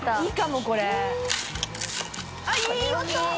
あっいい音。